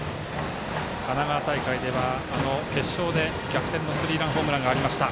神奈川大会では決勝で逆転のスリーランホームランがありました。